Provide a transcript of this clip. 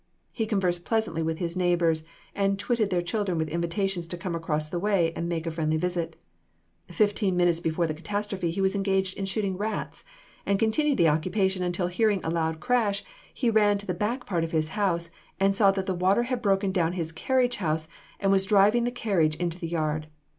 He conversed pleasantly with his neighbors, and twitted their children with invitations to come across the way and make a friendly visit. Fifteen minutes before the catastrophe he was engaged in shooting rats, and continued the occupation until hearing a loud crash, he ran to the back part of his house, and saw that the water had broken down his carriage house and was driving the carriage into the yard.